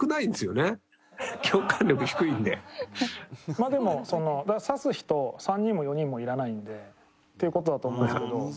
まあでも差す人３人も４人もいらないんでっていう事だと思うんですけど。